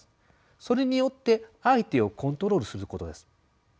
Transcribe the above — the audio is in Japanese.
それによって相手をコントロールすることです。